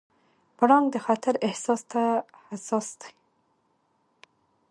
پړانګ د خطر احساس ته حساس دی.